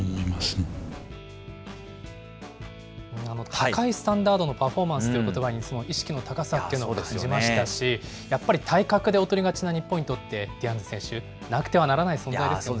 高いスタンダードのパフォーマンスということばに、意識の高さっていうのを感じましたし、やっぱり体格で劣りがちな日本にとって、ディアンズ選手、なくてはならない存在ですよね。